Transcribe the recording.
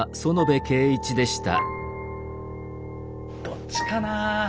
どっちかなあ。